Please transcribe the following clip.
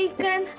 eh ada ikan